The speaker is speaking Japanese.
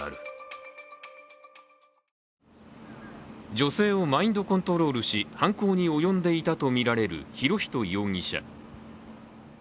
女性をマインドコントロールし犯行に及んでいたとみられる博仁容疑者。